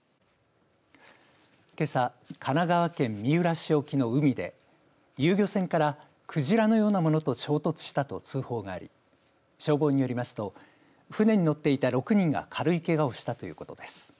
けさ、神奈川県三浦市沖の海で遊漁船から鯨のようなものと衝突したと通報があり消防によりますと船に乗っていた６人が軽いけがをしたということです。